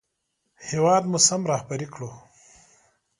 هېواد مو باید سم رهبري کړو